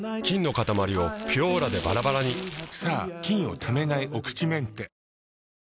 菌のかたまりを「ピュオーラ」でバラバラにさぁ菌をためないお口メンテ。